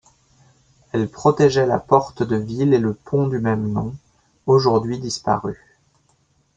Elle protégeait la porte de ville et le pont du même nom, aujourd’hui disparus.